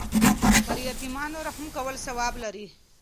پر یتیمانو رحم کول ثواب لري.